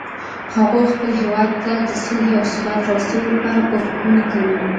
هغوی خپل هیواد ته د صلحې او ثبات راوستلو لپاره کوښښونه کوي